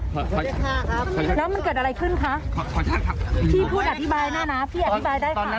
เราได้เขียนจดหมายไปขู่ฆ่าสมาชิกในครอบครัวไหม